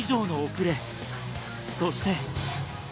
そして。